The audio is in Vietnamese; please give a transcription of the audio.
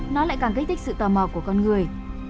nó lại càng kích thích sự tò mò của con người